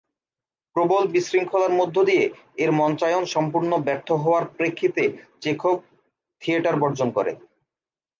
প্রবল বিশৃঙ্খলার মধ্য দিয়ে এর মঞ্চায়ন সম্পূর্ণ ব্যর্থ হওয়ার প্রেক্ষিতে চেখভ থিয়েটার বর্জন করেন।